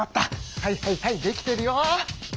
はいはいはいできてるよ。